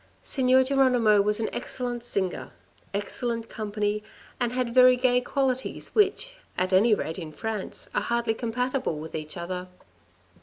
Signor Geronimo was an excellent singer, excellent company, and had very gay qualities which, at any rate in France, are hardly compatible with each other.